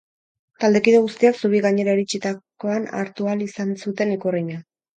Taldekide guztiak zubi gainera iritsitakoan hartu ahal izan zuten ikurrina.